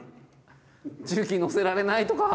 重機乗せられないとか。